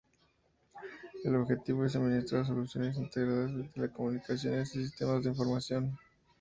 El objetivo es suministrar soluciones integradas de telecomunicaciones y de sistemas de información.